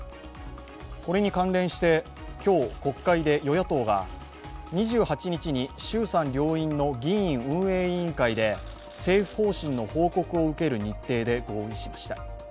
これに関連して今日国会で与野党が２８日に衆参両院の議院運営委員会で政府方針の報告を受ける日程で合意しました。